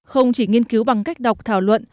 không chỉ nghiên cứu bằng cách đọc thảo luận